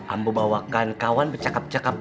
ambu bawakan kawan bercakap cakap